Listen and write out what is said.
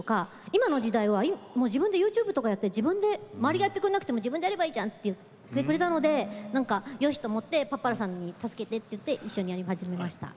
今の時代は自分でＹｏｕＴｕｂｅとかやって周りがやってくれなくても自分でやればいいじゃんってよし！と思ってパッパラーさんに助けてって言って一緒にやり始めました。